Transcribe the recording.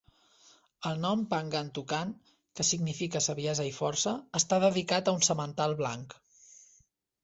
El nom "Pangantucan", que significa saviesa i força, està dedicat a un semental blanc.